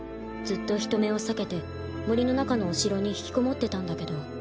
ずっと人目を避けて森の中のお城に引きこもってたんだけど。